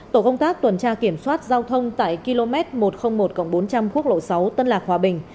tổ công tác tuần tra kiểm soát giao thông tại km một trăm linh một bốn trăm linh quốc lộ sáu tân lạc hòa bình